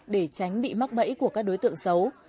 để tránh bị mắc bẫy của các đối tượng xấu